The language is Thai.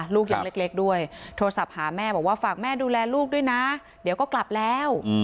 ลูกยังเล็กด้วยโทรศัพท์หาแม่บอกว่าฝากแม่ดูแลลูกด้วยนะเดี๋ยวก็กลับแล้ว